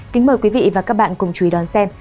kính mời quý vị và các bạn cùng chú ý đón xem